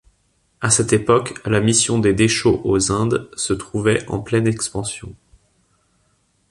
À cette époque, la Mission des déchaux aux Indes se trouvait en pleine expansion.